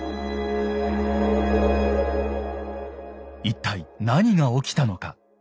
一体何が起きたのか。